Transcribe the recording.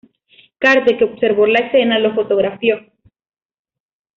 Carter, que observó la escena, lo fotografió.